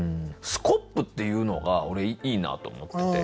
スコップっていうのが俺いいなと思ってて。